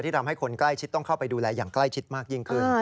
ทำให้คนใกล้ชิดต้องเข้าไปดูแลอย่างใกล้ชิดมากยิ่งขึ้น